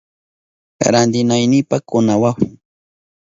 Rantinaynipa kunawahun.